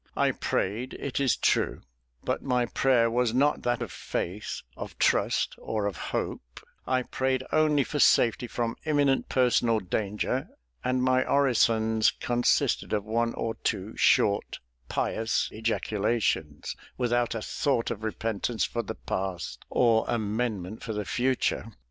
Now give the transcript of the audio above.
I prayed, it is true: but my prayer was not that of faith, of trust, or of hope I prayed only for safety from imminent personal danger; and my orisons consisted of one or two short, pious ejaculations, without a thought of repentance for the past or amendment for the future.